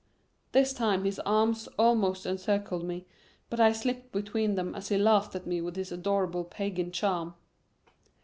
This time his arms almost encircled me, but I slipped between them as he laughed at me with his adorable pagan charm.